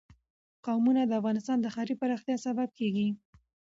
قومونه د افغانستان د ښاري پراختیا سبب کېږي.